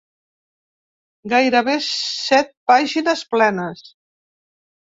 Gairebé set pàgines plenes.